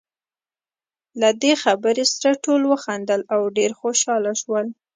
له دې خبرې سره ټولو وخندل، او ډېر خوشاله شول.